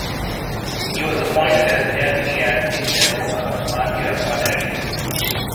He was appointed as Deputy Advocate General of Madhya Pradesh.